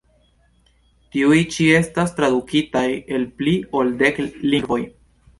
Tiuj ĉi estas tradukitaj en pli ol dek lingvoj.